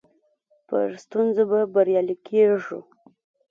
پر ستونزو به بريالي کيږو.